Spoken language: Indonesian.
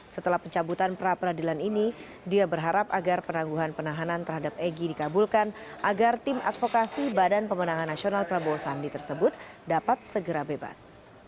setelah pencabutan pra peradilan ini dia berharap agar penangguhan penahanan terhadap egy dikabulkan agar tim advokasi badan pemenangan nasional prabowo sandi tersebut dapat segera bebas